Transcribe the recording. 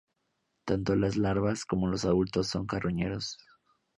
Tanto las larvas como los adultos son carroñeros.